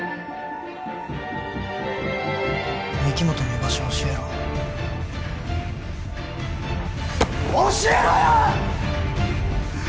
御木本の居場所を教えろ教えろよ！